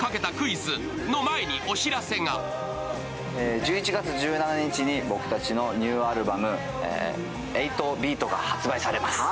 １１月１７日に僕たちのニューアルバム、「８ＢＥＡＴ」が発売されます。